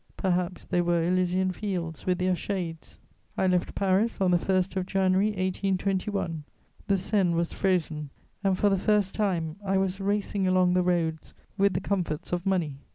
Perhaps they were Elysian fields with their shades. I left Paris on the 1st of January 1821: the Seine was frozen, and for the first time I was racing along the roads with the comforts of money.